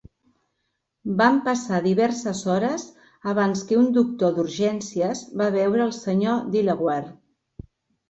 Van passar diverses hores abans que un doctor d'urgències va veure el Sr. Dilawar.